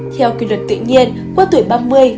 theo quy luật tự nhiên qua tuổi ba mươi